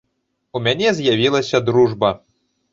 У мяне з'явілася дружба.